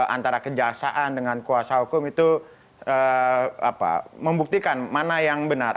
antara kejaksaan dengan kuasa hukum itu membuktikan mana yang benar